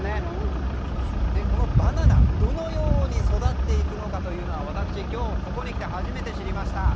このバナナ、どのように育っていくのかというのを私、今日ここに来て初めて知りました。